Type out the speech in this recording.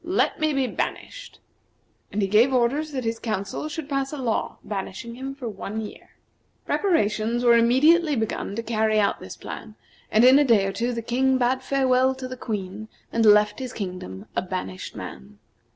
Let me be banished." And he gave orders that his council should pass a law banishing him for one year. Preparations were immediately begun to carry out this plan, and in day or two the King bade farewell to the Queen, and left his kingdom, a banished man.